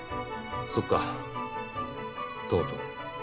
そっかとうとう。